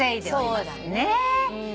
そうだね。